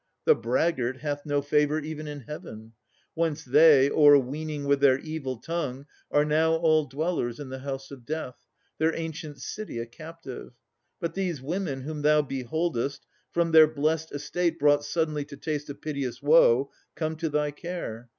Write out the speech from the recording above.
The braggart hath no favour even in Heaven. Whence they, o'erweening with their evil tongue, Are now all dwellers in the house of death, Their ancient city a captive; but these women Whom thou beholdest, from their blest estate Brought suddenly to taste of piteous woe, Come to thy care.